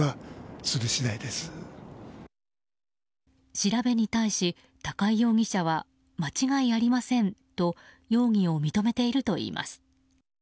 調べに対し、高井容疑者は間違いありませんと容疑を認めているといいます。